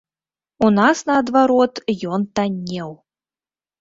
У нас наадварот ён таннеў!